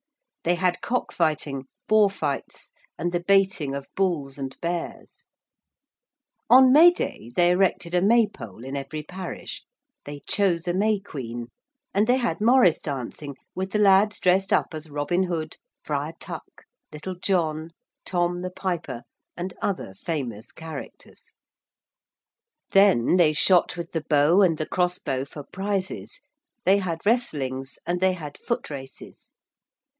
They had cock fighting, boar fights, and the baiting of bulls and bears. On May Day they erected a May pole in every parish: they chose a May Queen: and they had morris dancing with the lads dressed up as Robin Hood, Friar Tuck, Little John, Tom the Piper, and other famous characters. [Illustration: BEAR BAITING. (From the Luttrell Psalter.)] Then they shot with the bow and the cross bow for prizes: they had wrestlings and they had foot races.